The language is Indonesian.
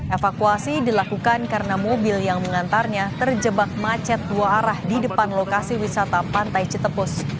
evakuasi dilakukan karena mobil yang mengantarnya terjebak macet dua arah di depan lokasi wisata pantai cetepus